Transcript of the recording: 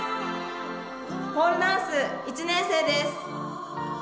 ポールダンス１年生です！